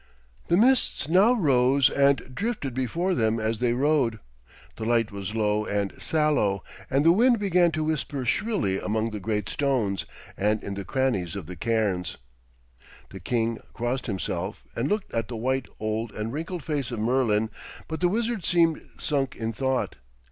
The mists now rose and drifted before them as they rode, the light was low and sallow, and the wind began to whisper shrilly among the great stones, and in the crannies of the cairns. The king crossed himself, and looked at the white, old, and wrinkled face of Merlin; but the wizard seemed sunk in thought.